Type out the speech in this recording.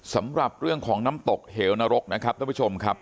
สำหรับเรื่องของน้ำตกเหวนรกนะครับท่านผู้ชมครับ